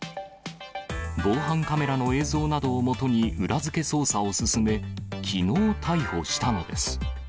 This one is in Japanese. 防犯カメラの映像などをもとに裏付け捜査を進め、きのう逮捕したのです。